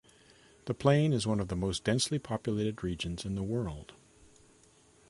The plain is one of the most densely populated regions in the world.